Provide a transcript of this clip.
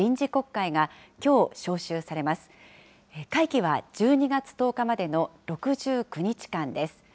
会期は１２月１０日までの６９日間です。